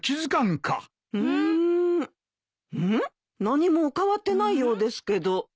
何も変わってないようですけど。